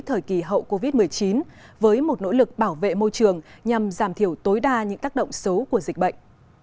thời kỳ hậu covid một mươi chín với một nỗ lực bảo vệ môi trường nhằm giảm thiểu tối đa những tác động xấu của dịch bệnh